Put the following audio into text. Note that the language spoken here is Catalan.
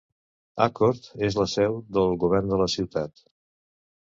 Accord és la seu del govern de la ciutat.